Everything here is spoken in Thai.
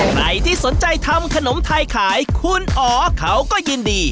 ใครที่สนใจทำขนมไทยขายคุณอ๋อเขาก็ยินดี